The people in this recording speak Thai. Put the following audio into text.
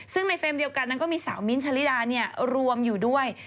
ซึ่งในเฟรมเดียวกันนั้นก็มีสาวมิ้นทะลิดารวมอยู่ด้วย